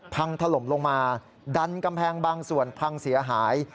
พังถล่มลงมาดันกำแพงบางส่วนพังเสียหาย